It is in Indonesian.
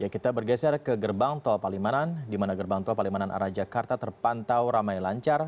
kita bergeser ke gerbang tol palimanan di mana gerbang tol palimanan arah jakarta terpantau ramai lancar